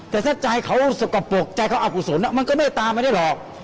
แต่ถ้าใจเขาสกปรกใจเขาเอากุศลมันก็เมตตาไม่ได้หรอก